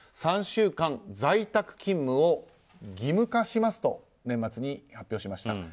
３週間在宅勤務を義務化しますと年末に発表しました。